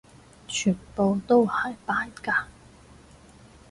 全部都係扮㗎！